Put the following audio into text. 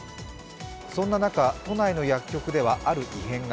そんな中、都内の薬局ではある異変が。